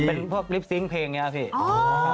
เป็นพวกลิปซิ้งเพลงอย่างนี้ครับพี่